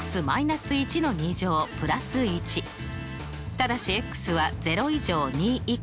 ただしは０以上２以下。